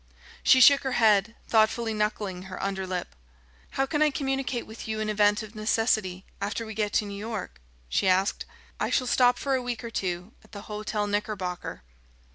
She shook her head, thoughtfully knuckling her underlip. "How can I communicate with you in event of necessity after we get to New York?" she asked. "I shall stop for a week or two at the Hotel Knickerbocker."